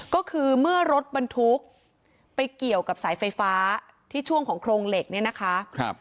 ก็คือเมื่อรถบรรทุกไปเกี่ยวกับสายไฟฟ้าที่ช่วงของโครงเหล็กเนี่ยนะคะ